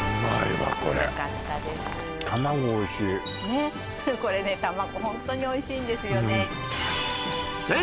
ねっこれね卵ホントにおいしいんですよね